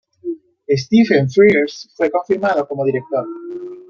Stephen Frears fue confirmado como director.